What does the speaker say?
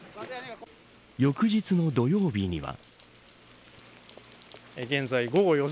翌日の土曜日には。